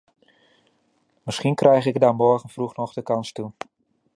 Misschien krijg ik daar morgenvroeg nog de kans toe.